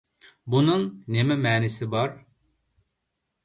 بۇنىڭ نېمە مەنىسى بار؟